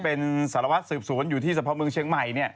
เป็นสารวัตรสืบสวนอยู่ที่สะพอเมืองเชียงใหม่